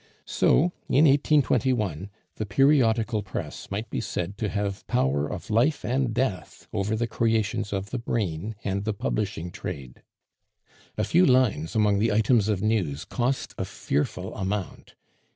So, in 1821, the periodical press might be said to have power of life and death over the creations of the brain and the publishing trade. A few lines among the items of news cost a fearful amount.